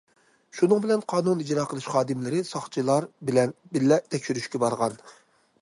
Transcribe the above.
شۇنىڭ بىلەن قانۇن ئىجرا قىلىش خادىملىرى ساقچىلار بىلەن بىللە تەكشۈرۈشكە بارغان.